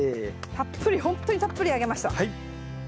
たっぷりほんとにたっぷりあげました。